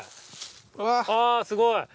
ああすごい！